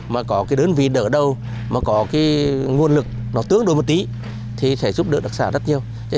mà có đơn vị đỡ đầu mà có nguồn lực tướng đôi một tí thì sẽ giúp đỡ đặc sản rất nhiều